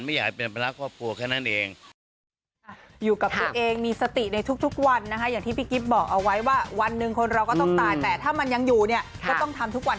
ไม่อยากให้เป็นภาระครอบครัวแค่นั้นเอง